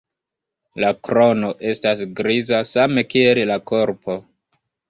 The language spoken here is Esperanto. La krono estas griza same kiel la korpo.